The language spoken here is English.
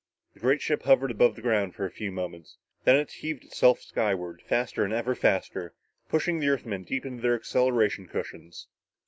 The great ship hovered above the ground for a few moments. Then it heaved itself skyward, faster and ever faster, pushing the Earthmen deep into their acceleration cushions.